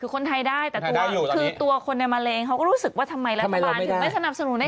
คนไทยได้ตัวคนในมาเลเนี่ยเราก็รู้สึกว่าทำไมรัฐบาลไม่สนับสนุนได้